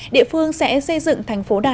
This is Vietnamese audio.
địa phương sẽ xây dựng thành phố đà lạt